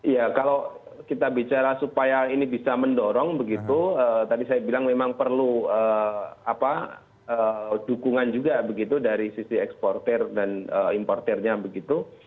ya kalau kita bicara supaya ini bisa mendorong begitu tadi saya bilang memang perlu dukungan juga begitu dari sisi eksporter dan importernya begitu